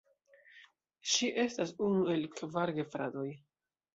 Ŝi estas unu el kvar gefratoj.